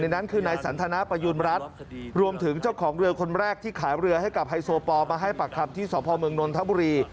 นั้นคือนายสันทนาประยุณรัฐรวมถึงเจ้าของเรือคนแรกที่ขายเรือให้กับไฮโซปอลมาให้ปากคำที่สพเมืองนนทบุรี